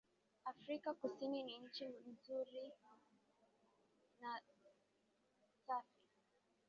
Afrika Kusini ni nchi nzuri na safi